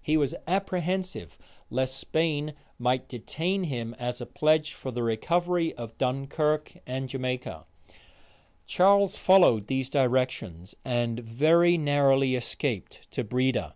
He was apprehensive lest Spain might detain him as a pledge for the recovery of Dunkirk and Jamaica. Charles followed these directions, and very narrowly escaped to Breda.